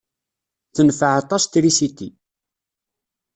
Tenfeɛ aṭas trisiti.